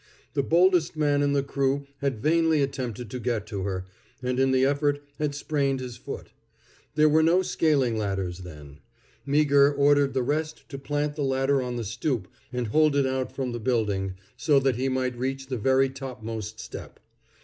The boldest man in the crew had vainly attempted to get to her, and in the effort had sprained his foot. There were no scaling ladders then. Meagher ordered the rest to plant the ladder on the stoop and hold it out from the building so that he might reach the very topmost step.